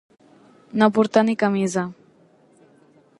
No portar ni camisa.